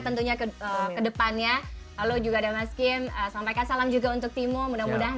tentunya kedepannya lalu juga ada mas kim sampaikan salam juga untuk timo mudah mudahan